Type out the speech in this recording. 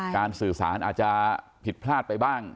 สื่อสารอาจจะผิดพลาดไปบ้าง